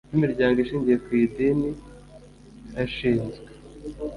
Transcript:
by imiryango ishingiye ku idini hashinzwe